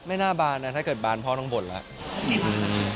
หน้าบานนะถ้าเกิดบานพ่อต้องบ่นแล้ว